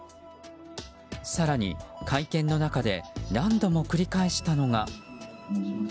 更に、会見の中で何度も繰り返したのが。